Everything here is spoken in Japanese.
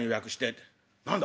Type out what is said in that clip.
「何だ？